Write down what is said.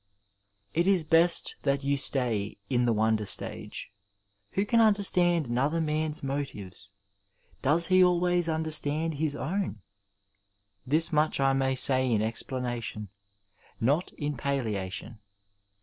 It is best that you stay in the wonder stage. Who can understand another man's motives ? Does he always understand his own ? This much I may say in explanation —not in palliation.